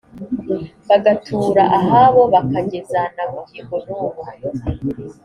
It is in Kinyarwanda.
bagatura ahabo bakageza na bugingo n’ubu